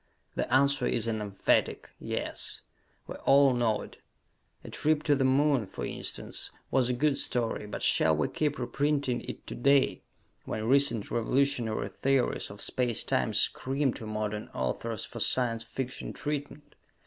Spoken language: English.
The answer is an emphatic Yes. We all know it. "A Trip to the Moon" for instance was a good story, but shall we keep reprinting it to day, when recent revolutionary theories of space time scream to modern authors for Science Fiction treatment?